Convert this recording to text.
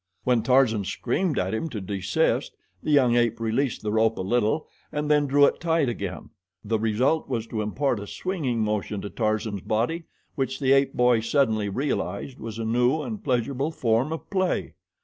When Tarzan screamed at him to desist, the young ape released the rope a little and then drew it tight again. The result was to impart a swinging motion to Tarzan's body which the ape boy suddenly realized was a new and pleasurable form of play.